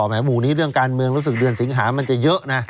แหมหมู่นี้เรื่องการเมืองรู้สึกเดือนสิงหามันจะเยอะนะ